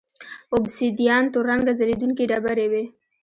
اوبسیدیان تور رنګه ځلېدونکې ډبرې وې